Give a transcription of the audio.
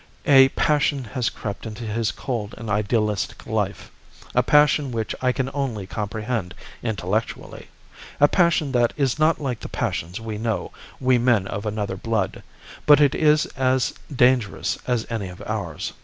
A passion has crept into his cold and idealistic life. A passion which I can only comprehend intellectually. A passion that is not like the passions we know, we men of another blood. But it is as dangerous as any of ours.